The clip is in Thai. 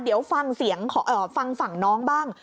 เดี๋ยวฟังเสียงฟังฝั่งน้องบ้าง